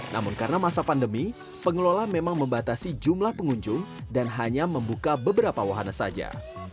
namun karena masa pandemi pengelola memang membatasi jumlah pengunjung dan hanya membuka beberapa wahana saja